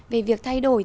về việc thay đổi